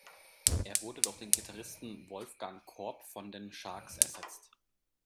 Er wurde durch den Gitarristen Wolfgang Korb von den "Sharks" ersetzt.